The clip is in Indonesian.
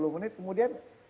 tiga puluh menit kemudian